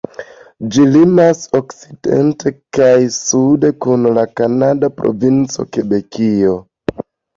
Ĝi limas okcidente kaj sude kun la kanada provinco Kebekio.